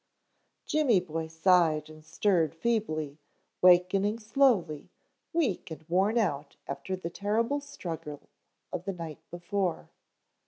Jimmy boy sighed and stirred feebly, wakening slowly, weak and worn out after the terrible struggle of the night before.